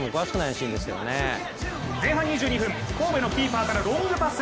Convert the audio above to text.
前半２２分、神戸のキーパーからロングパス。